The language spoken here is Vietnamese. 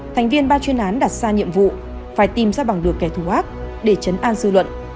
thành viên ban chuyên án đặt ra nhiệm vụ phải tìm ra bằng được kẻ thù ác để chấn an dư luận